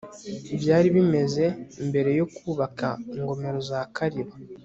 byari bimeze mbere yo kubaka ingomero za kariba